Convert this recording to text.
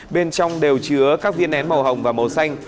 bên trong đều chứa các viên nén màu hồng và màu xanh